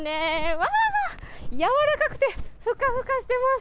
わー、柔らかくてふかふかしてます。